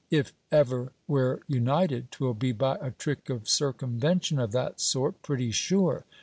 If ever we 're united, 'twill be by a trick of circumvention of that sort, pretty sure.